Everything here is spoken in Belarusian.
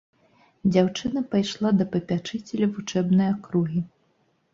Дзяўчына пайшла да папячыцеля вучэбнай акругі.